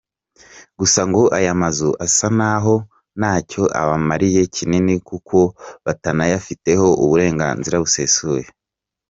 Gusa ngo aya mazu asa na ho ntacyo abamariye kinini kuko batanayafiteho uburenganzira busesuye.